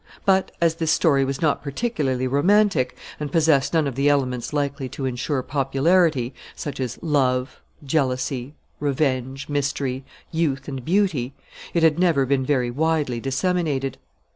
But as this story was not particularly romantic, and possessed none of the elements likely to insure popularity, such as love, jealousy, revenge, mystery, youth, and beauty, it had never been very widely disseminated.